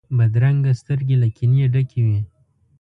بدرنګه سترګې له کینې ډکې وي